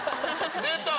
出た！